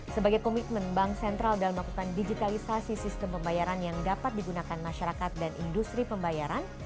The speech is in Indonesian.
sebagai komitmen bank sentral dalam melakukan digitalisasi sistem pembayaran yang dapat digunakan masyarakat dan industri pembayaran